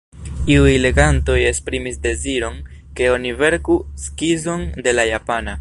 Iuj legantoj esprimis deziron ke oni verku skizon de la japana.